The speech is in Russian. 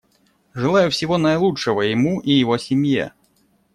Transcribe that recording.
Желаю всего наилучшего ему и его семье.